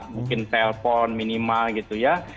mungkin telpon minimal gitu ya